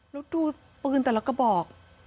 แล้วดูปืนแต่แล้วก็บอก